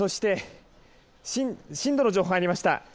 そして震度の情報が入りました。